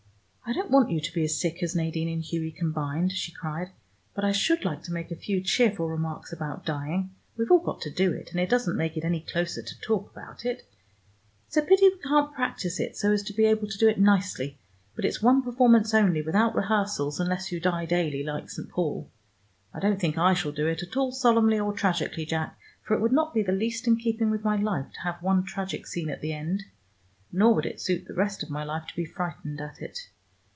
"I don't want you to be as sick as Nadine and Hughie combined," she cried, "but I should like to make a few cheerful remarks about dying. We've all got to do it, and it doesn't make it any closer to talk about it. It's a pity we can't practise it, so as to be able to do it nicely, but it's one performance only, without rehearsals, unless you die daily like St. Paul. I don't think I shall do it at all solemnly or tragically, Jack, for it would not be the least in keeping with my life to have one tragic scene at the end. Nor would it suit the rest of my life to be frightened at it.